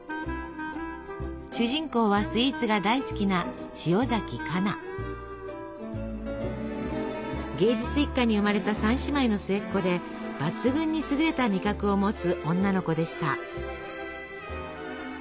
主人公はスイーツが大好きな芸術一家に生まれた三姉妹の末っ子で抜群に優れた味覚を持つ女の子でした。